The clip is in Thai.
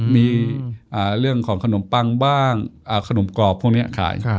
มีเรื่องของขนมปังบ้างขนมกรอบพวกนี้ขาย